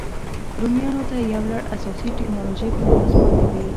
رومیانو ته یو لړ اساسي ټکنالوژۍ په میراث پاتې وې